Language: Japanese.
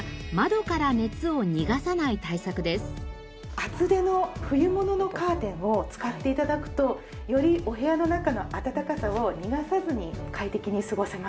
厚手の冬物のカーテンを使って頂くとよりお部屋の中の暖かさを逃がさずに快適に過ごせます。